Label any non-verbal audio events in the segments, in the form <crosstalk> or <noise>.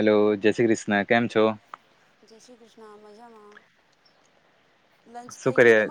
Hello, જય શ્રી કૃષ્ણ. કેમ છો? ના મજામાં. શું કરીય?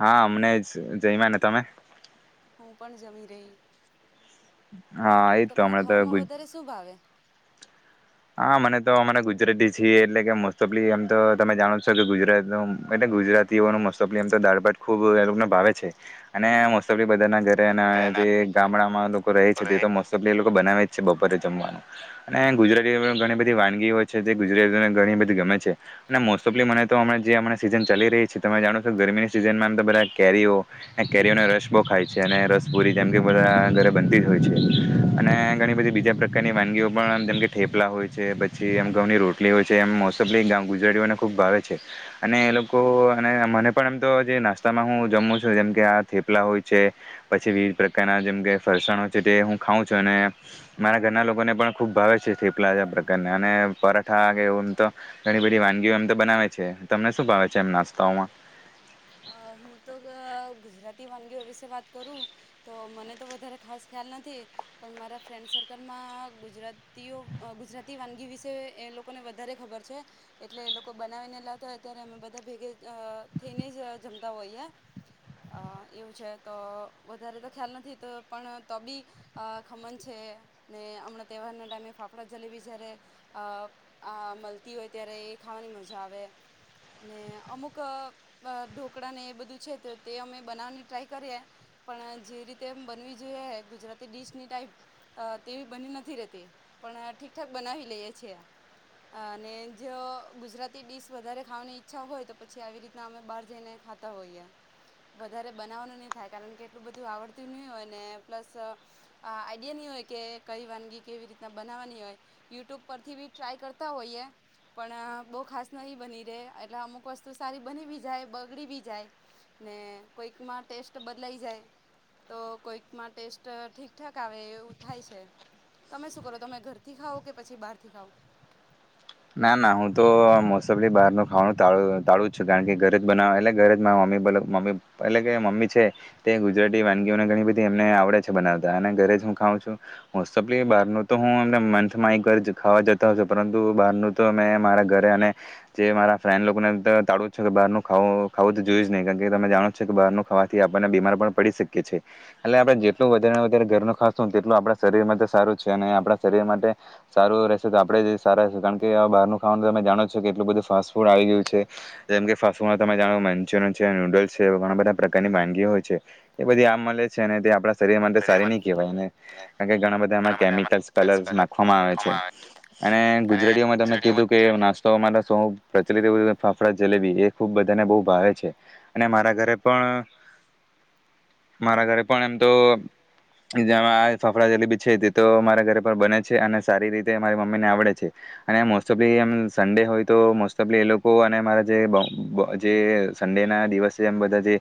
હા અમને જ જઈમાં ને તમે? હું પણ જમી રહી. હા એજ તો હમણાં તો ગુ હા મને તો અમારે ગુજરાતી છીએ એટલે કે મોસ્ટ ઓફલી એમ તો તમે જાણો છો કે ગુજરાત એટલે ગુજરાતીઓનું મોસ્ટ ઓફલીમ તો દાળભાટ ખુબ એને ભાવે છે. અને મોસ્ટ ઓફલી બધાના ઘરે ના જે ગામડામાં લોકો રહી છે તો. <unintelligible> બનાવે જ છે બપોરે જમવાનું અને ગુજરાત <unintelligible> વાનગીઓ હો છે જે ગુજરાતીને ઘણી બધી ગમે છે. અને મોસ્ટ ઓફલી મને તો જેમણાં સીઝન ચાલી રહી છે. તમે જાણો છો ગરમીની સિઝનમાં આમ તો બધા કેરીઓ કેરીઓને રસ બહુ ખાય છે. અને રસપુરી જેમ કે બધા ઘરે બનતી જ હોય છે. અને ઘણી બધી બીજા પ્રકારની વાનગીઓ પણ જેમ કે હોય છે. જે એમ ઘઉંની રોટલી હોય છે. એમ મોસ્ટફલી ગુજરાતીઓને ખુબ ભાવે છે. અને એ લોકો અને મને પણ એમ તો જે નાસ્તામાં હું જમું છું જેમ કે આ થેપલા હોય છે, પછી વિવિધ પ્રકારના જેમકે ફરસાણ હોય છે તે હું ખાઉં છું અને મારા ઘરના લોકોને પણ ખૂબ ભાવે છે. થેપલા છે પ્ર અને પરાઠા કે એવમ તો ઘણી બધી વાનગીઓ એમ તો બનાવે છે. તમને શું ભાવે છે એમ નાસ્તાઓમાં? ગુજરાતી વાનગી વિશે વાત કરું તો મને તો વધારે ખાસ ખ્યાલ નથી પણ મારા ફન્ડ સર્કલમાં ગુજરાતી ગુજરાતી વાનગી વિ તે એ લોકોને વધારે ખબર છે. એટલે એ લોકો બનાવીને લાવતા હો અત્યારે અમે બધા ભેગે થઈને જ જમતા હોઈએ એવું છે. તો વધારે તો ખ્યાલ નથી પણ તોબી ખમન છે ને હમણાં તહેવારના ટાઈમે ફાફડા જલેબી જયારે અ આ મળતી હોય ત્યારે એ ખાવાની મજા આવે. અને અમુક ઢોકળાને એ બધું છે, તો તે અમે બનાવવાની ટ્રાય કરીએ પણ જે રીતે બનવી જોઈએ ગુજરાતી ડીશની ટાઈપ તેવી બની નથી રહેતી. પણ ઠીકઠાક બનાવી લઈએ. છે. અને જો ગુજરાતી ડીશ વધારે ખાવાની ઈચ્છા હોય તો પછી આવી રીતના અમે બહાર જઈને ખાતા હોઈએ. વધારે બનાવવાનું નહી થાય કારણ કે એટલું બું આવડત નહી હોયને પ્લસ આઈડિયા નહી હોય કે કઈ વાનગી કેવી રીતના બનાવવાની હોય યુટબ પરથી બી ટ્રાય કરતા હોઈએ પણ બહુ ખાસ નહી બની રહે એટલે અમુક વસ્તુ સારી બની બી જાય. બગડી બી જાય ને કોઈકમાં ટેસ્ટ બદલાઈ જાય તો કોઈકમાં ટેસ્ટ ઠીકઠાક આવે એવું થાય છે. તમે શું કરો તમે ઘરથી ખાવ કે પછી બહાર? <unintelligible> ના ના હું તો મોસ્ટબલી બહાર ન ખાવાનું ટાળું. તાડું છે. કારણ કે ઘરે જ બનાવા એલે ઘરે મમ્મી બલો મમ્મી એટલે કે મમ્મી છે તે ગુજરાતી વાનગીઓને ઘણી બધી એમને આવડે છે બનાવતા અને ઘરે જ હું ખઉં છુંલી બાર તો હુંમ મંથમાં એક વાર ખાવા જતા હ. પરંતુ બારનુ તો એમ મેં મારા ઘરે અને જે મારા ફ્રેન્ડ લોકોને એમ કે બહારનું ખું ખાવું તો જોયું જ નહીં કારણ કે તમે જાણો છો કે બહારનું ખાવાથી આપણને બીમાર પણ પડી શકીએ છેએ એટલે આપણે જેટલું વધારેને વધારે ઘરનું ખાશુંને તેટલું આપણા શરીર માટે સારું છે. અને આપણા શરીર માટે સારું રહેશે તો આપણે સારા કારણ કે બહારનું ખાવાનું તમે જાણો છો કેટલું બધું ફાસ્ટ ફૂડ આવી ગયું છે જેમ કે તમે જાણો મંચુરિયન છે નૂડલ્ છે ઘણા બધા પ્રકારની વાનગી હોય છે એ બધી આમ મળે છે અને તે આપણા શરીર માટે સારી ની કહેવાયને કારણ કે ઘણા બધા એમાં કેમિકલ્સ કલર્સ નાખવામાં આવે છે અને ગુ રેડીયોમાં તમે કીધું કે નાસ સો માં દસ સો પ્રચલિત એવુ ફાફડા જલેબી એ ખુબ બધાને બો ભાવે છે અને મારા ઘરે પણ મારા ઘરે પણ એમ તો જેમાં આજ ફાફડા જલેબી છે તે તો મારા ઘરે પર બને છે અને સારી રીતે મારી મમ્મી ને આવડે છે. ને મોસ્ટ ઓફલીમ એમ સડે હોય તો મોસ્ટ ઓફલી એ લોકો અને મારા જે બા બા જે સડે ના દિવસે એમ બધા જે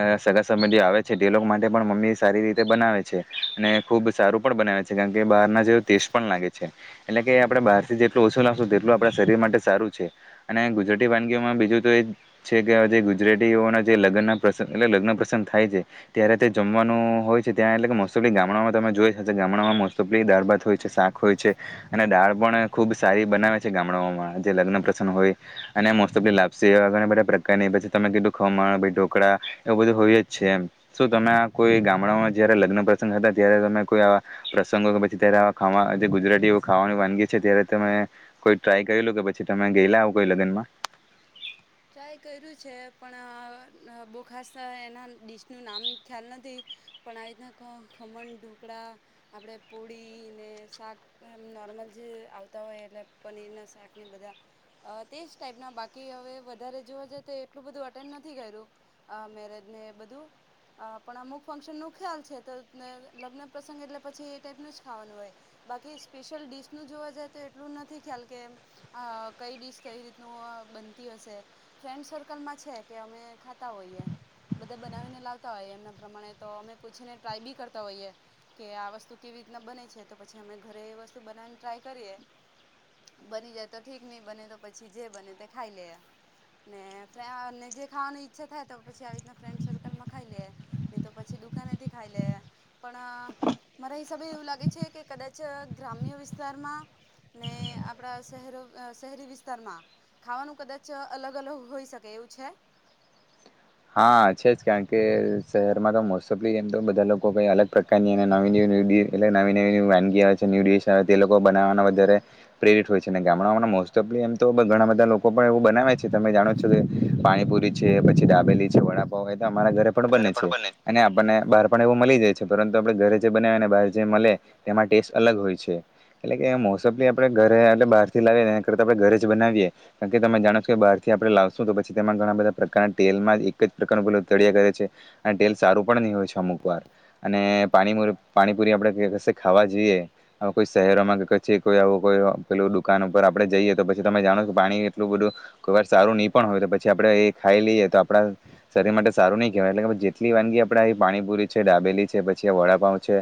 આ સગા સંબંધીઓ આવે છે તે લોકો માટે પણ મમ્મી સારી રીતે બનાવે છે અને ખુબ સારું પણ બનાવે છે કારણ કે બહાર ના જે તો ટેસ્ટ પણ લાગે છે એટલે કે આપડે તે જેટલું ઓછું લાવશો તેટલું આપણા શરીર માટે સારું છે અને ગુજરાતી વાનગીઓમાં બીજું તો એ છે કે જે ગુજરાતીઓના જે લગ્ન પ્રસં એટલે લગ્ન પ્રસંગ થાય છે ત્યારે તે જમવાનું હોય છે ત્યાં એટલે માસ્ટ ઓફલી ગામડામાં તમે જોઈ હશે ગામડામાં મોસ્ટ ઓફ્લી શરબત હોય છે શાક હોય છે અને દાળ પણ ખૂબ સારી બનાવે છે ગામડાઓમાં જે લગ્ન પ્રસંગ હોય અને મોસ્ટ ઓફલી લાપસી બધા પ્રકારની પછી તમે કીધું ખમણ ઢોકળા એવું બધું હોય જ છે એમ શું તમે આ કોઈ ગામડાઓમાં જયારે લગ્ન પ્રસંગ હતા ત્યારે તમે કોઈ આવા પ્રસંગો ત્યારે આ ખાવા ગુજરાતીઓ ખાવાની વાનગી છે ત્યારે તમે કોઈ ટ્રાય કરીલું કે પછી તમે ગયેલા કોઈ લગ્ન માં. પણ બો ખાસ એના ડીશનું નામ ખ્યાલ નથી પણ આવી રીતના ખમણ ઢોકળા આપણે પુડી ને શાક એમ નોર્મલ જે આવતા હોય એટલે પનીર ને શાક ને બધા આ તેજ ટાઈપ ના બાકી હવે વધારે જોવા જ તો એટલું બધું અટેન્ડ નથી કર્યું મેરેજને બધું પણ આ અમુક ફંક્શન નું ખ્યાલ છે તો લગ્ન પ્રસંગ એટલે પછી ટાઈપ નું જ ખાવાનું હોય બાકી સ્પેશિયલ ડિશ નું જોવા જાય તો એટલું નથી ખ્યાલ કે આ કઈ ડિશ કઈ રીતનું બનતી હશે ફ્રેન્ડ સર્કલમાં છે કે અમે ખાતા હોઈએ બધા બનાવીને લાવતા હોઈએ એમના પ્રમાણે તો અમે પૂછીને ટ્રાય બી કરતા હોઈએ કે આ વસ્તુ કેવી રીતના બંને છે તો પછી અમે ઘરે એ વસ્તુ બનાવા ટ્રાય કરીએ બની જાય તો ઠીક નઈ બને તો પછી જે બને તે ખાઈ લઈએ ને ફેર ને જે ખાવાની ઈચ્છા થાય તો પછી આવીરી ફ્રેન્ડસર્કલમાં ખાઈ લે ની તો પછી દુકાનેથી ખાઈ લઈએ પણ આ મારા હિસાબે એવું લાગે છે કે કદાચ ગ્રામ્ય વિસ્તારમાં ને આપડા શહેર શહેરી વિસ્તારમાં ખાવાનું કદાચ અલગ અલગ હોઈ શકે એવું છે. હા છે જ કારણ કે શહેરમાં તો મોસ્ટ ઓફલી એમ તો બધા લોકો લોકો કઈ અલગ પ્રકારની અને નવી નવી એટલે નવી નવી વાનગી આવે છે ન્યૂ ડિશ આવે તે લોકો બનાવવાના વધારે પ્રેરિત હોય છે ને ગામડામાં મોસ્ટ ઓફલી એમ તો ઘણા બધા લોકો પણ એવું બનાવે છે તમે જાણો છો કે પાણીપુરી છે પછી એ લી છે વડાપાવ એ તો અમારા ઘરે પણ બને છે અને આપણને બહાર પણ એવું મળી જાય છે પરંતુ આપણે ઘરે જે બનાવીને બહાર જે મળે તેમાં ટેસ્ટ અલગ હોય છે એટલે કે માસ્ટ ઓફ્લી આપણે ઘરે એટલે બહારથી લાવીએ એના કરતા આપણે ઘરે જ બનાવીએ કારણ કે તમે જાણો છો કે બહાર થી આપણે લાવશું તો પછી તેમાં ઘણા બધા પ્રકારના તેલમાં એક જ પ્રકારનું પેલુ તળિયા કરે છે અને તેટેલ સારું પણ નહિ હોય છે અમુક વાર. આને પાણી પાણીપુરી આપણે કશે ખાવા જઈએ હ કોઈ શહેરોમાં કચ કોઈ આવું કોઈ પેલું દુકાન ઉપર આપણે જઈએ તો પછી તમે જાણો છો પાણી એટલું બધું કોઈ વાર સારું નહીં પણ હોય તો પછી આપણે એ ખાઈ લઈએ તો આપણા શરીર માટે સારું ની કેહેવાય એટલે કે જેટલી વાનગી આપડે એ પાણીપુરી છે ડાબેલી છે પછી આ વડાપાવ છે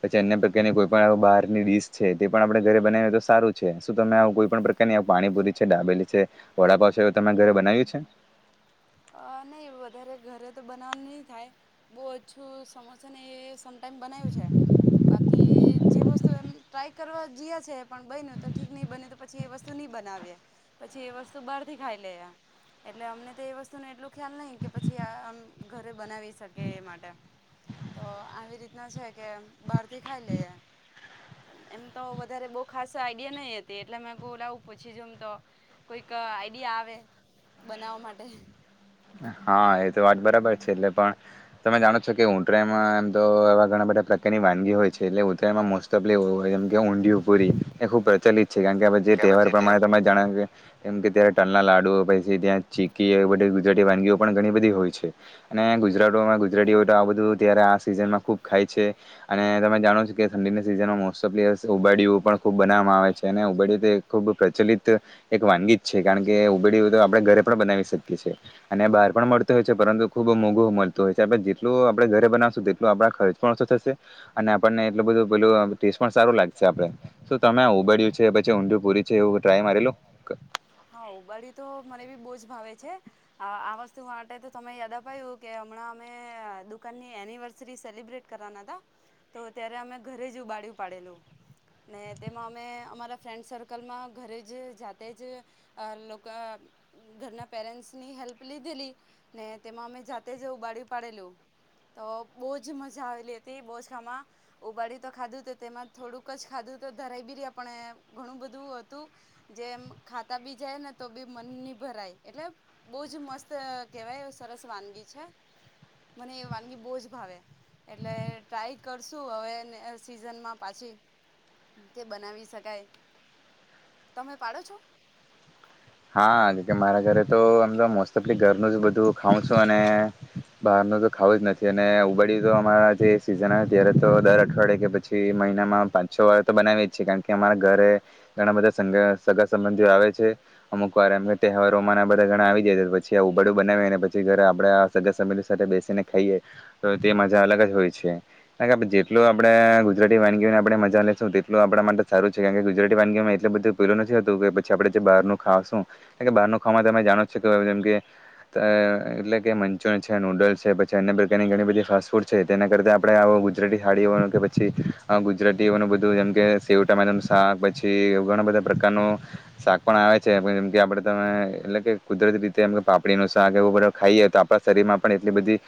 પછી અન્ય પ્રકારની કોઈ પણ બહારની ડીશ છે તે પણ આપણે ઘરે બનાવીએ તો સારું છે શું તમે કોઈ પણ પ્રકારની પાણીપુરી છે ડાબેલી છે વડાપાવ છે એ તમે ઘરે બનાવ્યું છે. ની વધારે ઘરે તો બનાવવાનું ની થાય બો ઓછું સમોસા છે ને એ સ <unintelligible> બનાવ્યું છે બાકી કે જે વસ્તુ એમ ટ્રાય કરવા ગીયા છે પણ બયનું તો ઠીક ની બને તો પછી એ વસ્તુ નહી બનાવી પછી એ વસ્તુ બહાર થી ખાઈ લે એટલે અમને તો એ વસ્તુ નું એટલું ખ્યાલ નહીં કે પછી આ આમ ઘરે બનાવી શકે એ માટે તો આવી રીતના છે કે બહાર થી ખાઈ લે એમ તો વધારે બો ખાસ આઈડિયા નઈ હતી એટલે મેકુ લવ પૂછી જોમ તો કોઈક આઈડિયા આવે બનાવા માટે હા એ તો વાત બરાબર છે એટલે પણ તમે જાણો છો કે ઉતરાયમાં એમ તો આવા ઘણા બધા પ્રકારની વાનગી હોય છે એટલે ઉતરાયમાં મોસ <unintelligible> હોય જેમ કે ઊંડીય, <unintelligible> એ ખૂબ પ્રચલિત છે, કારણ કેવે જે તહેવાર પ્રમાણે તમે જાણાવ એમ કે ત્યારે ટલના લાડુ પછી ત્યાં ચીકી એવું બ ગુજરાતી વાનગીઓ પણ ઘણી બધી હોય છે, અને ગુજરામાં ગુજરાતીઓ આ બધું ત્યારે આ સિઝનમાં ખૂબ ખાય છે, અને તમે જાણો છો કે ઠંડીની સિઝનમાં મોસ્ટ ઓફ ઉબાડિયું પણ ખૂબ બનાવવામાં આવે છે, અને ઉબાડયું તો ખૂબ પ્રચલિત, એક વાનગી જ છે, કારણ કે ઉબેડયું તો આપણે ઘરે પણ બનાવી શકીએ છીએ. અને બહાર પણ મળતું હોય છે, પરંતુ ખુબ મોંઘું મળતું હોય છે, જેટલું <unintelligible> <unintelligible> આ વસ્તુ માટે તો તમે યાદ અપાયું કે હમણાં અમે <unintelligible> એનિવર્સરી સેલબ્રેટ કરવાના હતા, તો ત્યારે અમે ઘરે જ ઉબાડ્યું પાડેલું, ને તેમાં અમે અમારા ફ્રેન્ડ સર્કલમાં ઘરે જ જાતે જ, ઘરના પેરેન્ટસની હેલ્પ લીધેલી, ને તેમાં અમે જાતે જ ઉબાડ્યું પાડેલું. તો બોજ મજા આવેલી હતી બોજામાં, ઉબાડી તો ખાધું તો તેમાં થોડુંક જ ખાધું તો ધરાય બી રહ્યા પણ ઘણું બધું હતું, જેમ ખાતા બી જાયને તો બી મનની ભરાય, એટલે બહ જ મસ્ત કેવાય સરસ વાનગી છે. મને એ વાનગી બહુજ ભાવે, એટલે ટ્રાય કરશું હવે સીઝનમાં પાછી, કે બનાવી શકાય, તમે પાડો છો? હા કે મારા ઘરે તોમ તો મોસ્ટફલી ઘરનું જ બધું ખાવઉં છું, અને બહારનું તો ખાવું જ નથી અને ઉબડ્યું તો અમારા જે સીઝન ત્યારે તો દર અઠવાડિયે કે પછી મહિનામાં પાંચ છો વાગે તો બનાવી જ છીએ કારણ કે અમારા ઘરે, ઘણા બધા <unintelligible> સંબંધીઓ આવે છે. અક વાર એમ તહેવારોમાં બધા ઘણા આવી જાય પછી આ ઉબાડું બનાવીએ અને પછી ઘરે આપણે સજા સબંધી સાથે બેસીને ખાઈએ, તો તે મજા અલગ જ હોય છે, કારણ કેણે જેટલો આપણે ગુજરાતી વાનગીઓને આપણે તેટલું આપણા માટે સારું છે, કારણ કે ગુજરાતી વાનગીમાં એટલેધું પેલું નથી હતું કે પછી આપડે જે બહારનું. ખાવશું બહારનું ખાવામાં તમે જાણો કે જેમ કે એટલે કે મંચુરિયન છે નૂડલ્સ છે, પછી અન્ય પ્રકારની ઘણી બધી ફાસ્ટ ફૂડ છે તેના કરતા આપણેો ગુજરાતી ખાડીઓ કે પછી ગુજરાતી. અ જેમકે શેવ ટામેટાનું શાક પછી એવુ ઘણા બધા પ્રકારનું શાક પણ આવે જેમ કે આપડે તમે એટલે કે કુદરતી રીતે પાપડીનું શાક એવું બધું ખાઈએ તો આપણા શરીરમાં પણ એટલી બધી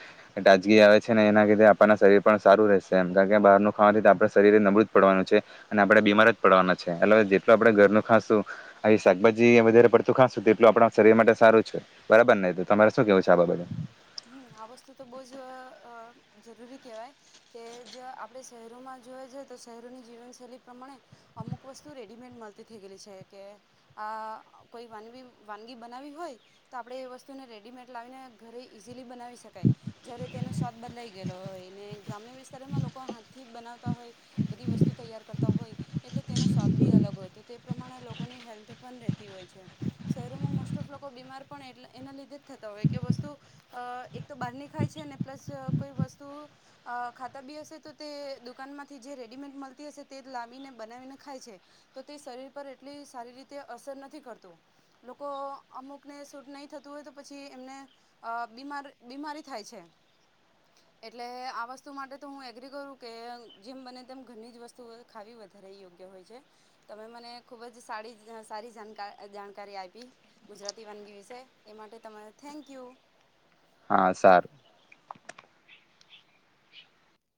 તાજગી આવે છે ને એના લીધે આપણા શરીર પણ સારું રહેશે એમ કારણ બહારનું ખાવાથી આપણા શરીર ન <unintelligible> અને આપડણે બીમાર જ પડવાના છેએટ જેટલું આપણે ઘરનું ખાશું આવી શાકભાજી. વધ પડતું ખાું એટલું આપણા શરીર માટે સારું છે, બરાબર ને તમારે શું કેવું છે, આ. <unintelligible> જરૂરી કહેવાય કે જે આપણેે શહેરોમાં જોએ. શહેરોની જીવનશૈલી પ્રમાણે અમુક વસ્તુ રેડીમેડ મળતી થઈ ગયલી છે, કે આ કોઈ <unintelligible> વાનગી બનાવી હોય તો આપણે એ વસ્તુને રેડીમેડ લાવીને ઘરે <unintelligible> બનાવી શકાય જ્યારે તેનો સ્વાદ બદલાઈ. ગેલો હોયને ગ્રામ્ય વિસ્તારમાં લોકો હાથથી બનાવતા હોય બધી વસ્તુ તૈયાર કરતા હોય એટલે તેનો સ્વાદ બી અલગ હોય તો તે પ્રમાણે લોકોની હેલ્થ પણ રહેતી હોય છે શહેરોમાં મોસ્ટ ઓફ લોકો બીમાર પણ એ એના લીધે જ થતા હોય કે વસ્તુ એક તો બહારની ખાય છે ને પ્લસ કોઈ વસ્તુ અ ખાતા બી હશે તો તે દુકાનમાંથી જે રે ડીમેડ મલતી હશે તે લાવીને બનાવીને ખાય છે, તો તે શરીર પર એટલી સારી રીતે અસર નથી કરતું, લોકો અમુકને સૂટ નઈ થતું હોય તો પછી એમને અ બીમાર બીમારી થાય છે, એટલે આ વસ્તુ માટે તો હું એગ્રી કરું કે અ જેમ બને તેમ ઘરની જ વસ્તુઓ ખાવી વધારે યોગ્ય હોય છે, તમે મને ખૂબ જ <unintelligible> સારી <unintelligible> જાણકારી આપી ગુજરાતી વાનગી વિશે એ માટે તમારે થેન્કયુ.